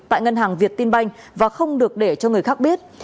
tại ngân hàng việt tin banh và không được để cho người khác biết